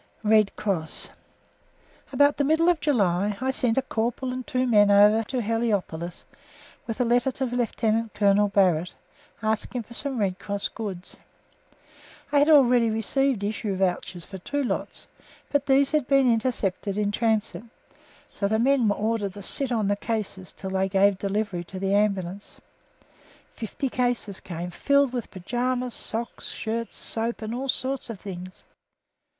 RED CROSS About the middle of July I sent a corporal and two men over to Heliopolis with a letter to Lieutenant Colonel Barrett, asking for some Red Cross goods. I had already received issue vouchers for two lots, but these had been intercepted in transit, so the men were ordered to sit on the cases until they gave delivery to the Ambulance. Fifty cases came, filled with pyjamas, socks, shirts, soap and all sorts of things.